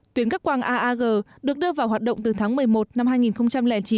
tuyến cắp quang aag được đưa vào hoạt động từ tháng một mươi một năm hai nghìn chín